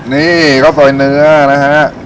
นี่ข้าวซอยเนื้อนะฮะ